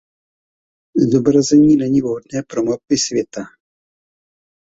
Zobrazení není vhodné pro mapy světa.